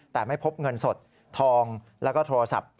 แต่ไม่พบเงินสดทองแล้วก็โทรศัพท์